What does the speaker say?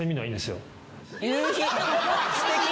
すてき。